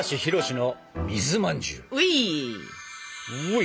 うい！